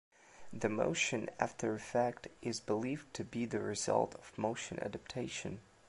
The motion aftereffect is believed to be the result of motion adaptation.